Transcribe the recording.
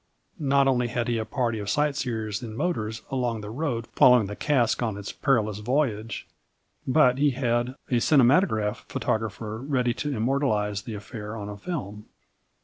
Not only had he a party of sightseers in motors along the road following the cask on its perilous voyage but he had a cinematograph photographer ready to immortalise the affair on a film.